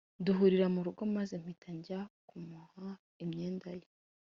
Duhurira mu rugo maze mpita njya kumuha imyenda ye